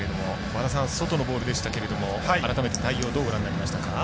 和田さん、外のボールでしたけど改めて内容どうご覧になりましたか？